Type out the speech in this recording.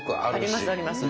ありますあります。